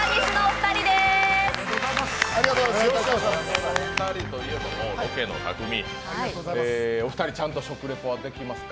このお二人といえばロケの匠、お二人ちゃんと食レポはできますか？